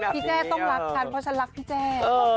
แจ้ต้องรักฉันเพราะฉันรักพี่แจ้